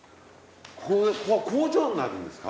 ここは工場になるんですか？